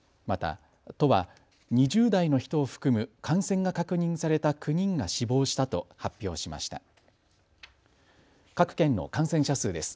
また都は２０代の人を含む感染が確認された９人が死亡したと発表しました。